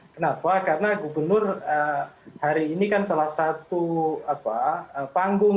kenapa karena gubernur hari ini kan salah satu panggung